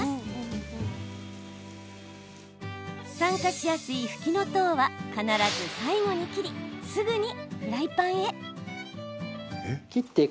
酸化しやすいふきのとうは必ず最後に切りすぐにフライパンへ。